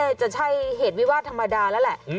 จะใช่เหตุวิวาสธรรมดาแล้วแหละ